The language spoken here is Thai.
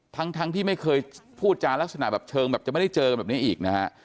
ทั้งที่ไม่เคยพูดจานลักษณะแบบเชิงแบบจะไม่ได้เจอแบบนี้อีกนะฮะ